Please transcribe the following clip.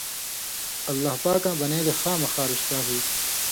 اللہ پاکاں بنیلیۡ خامخا رُشتا ہُوئ تھی۔